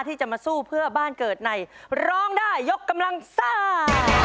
ที่จะมาสู้เพื่อบ้านเกิดในร้องได้ยกกำลังซ่า